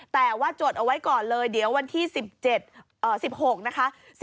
แต่ว่าจดเอาไว้ก่อนเลยเดี๋ยววันที่๑๗๑๖นะคะ